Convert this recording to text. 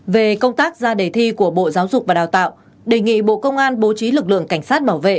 về công tác ra đề thi của bộ giáo dục và đào tạo đề nghị bộ công an bố trí lực lượng cảnh sát bảo vệ